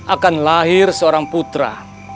akan lahir seorang putra